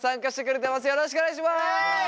よろしくお願いします！